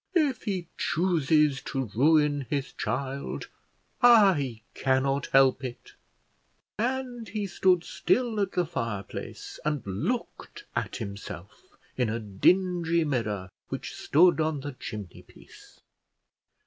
If he chooses to ruin his child I cannot help it;" and he stood still at the fire place, and looked at himself in a dingy mirror which stood on the chimney piece.